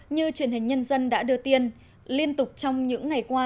như truyền hình nhân dân đã đưa tin liên tục trong những ngày qua